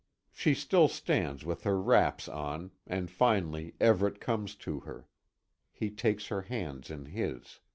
She still stands with her wraps on, and finally Everet comes to her. He takes her hands in his.